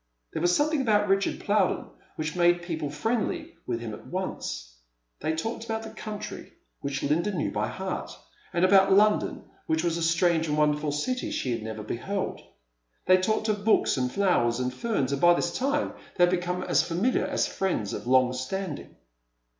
There was something about Richard Plowden which made people friendly with him at once. They talked about the country, which Linda knew by heart, and about London, which was a strange and wonderful city she had never beheld. They talked of books and flowers and feme, and by this time they had become as familiar as friends of long stamling.